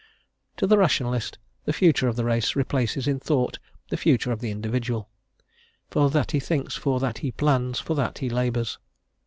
To the Rationalist, the future of the race replaces in thought the future of the individual; for that he thinks, for that he plans, for that he labours.